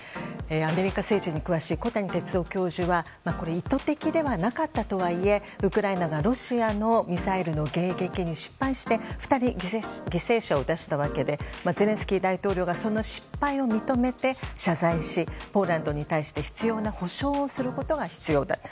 アメリカ政治に詳しい小谷哲男教授は意図的ではなかったとはいえウクライナがロシアのミサイルの迎撃に失敗して２人犠牲者を出したわけでゼレンスキー大統領がその失敗を認めて謝罪しポーランドに対して必要な補償をすることが必要だと。